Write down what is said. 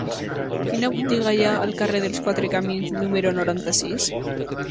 Quina botiga hi ha al carrer dels Quatre Camins número noranta-sis?